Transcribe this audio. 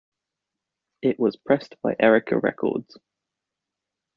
It was pressed by Erika Records.